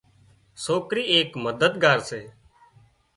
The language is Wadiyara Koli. سوڪرِي ايڪ مددگار سي